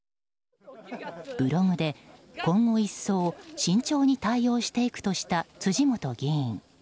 ブログで、今後一層、慎重に対応していくとした辻元議員。